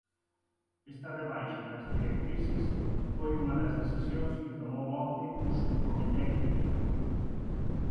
Esta rebaixa nas directrices foi unha das decisións que tomou onte o subcomité clínico.